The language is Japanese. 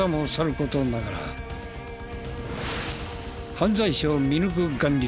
犯罪者を見抜く眼力